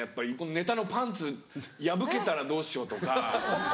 ネタのパンツ破けたらどうしようとか。